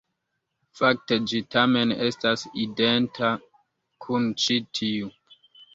Fakte ĝi tamen estas identa kun ĉi tiu.